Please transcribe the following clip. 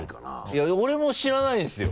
いや俺も知らないんですよ。